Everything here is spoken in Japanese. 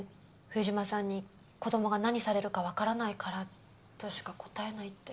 「冬島さんに子供が何されるかわからないから」としか答えないって。